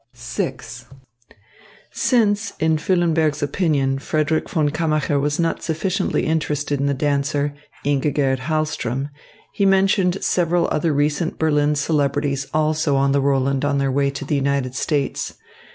VI Since, in Füllenberg's opinion, Frederick von Kammacher was not sufficiently interested in the dancer, Ingigerd Hahlström, he mentioned several other recent Berlin celebrities also on the Roland on their way to the United States.